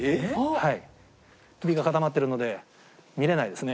はい首が固まってるので見れないですね。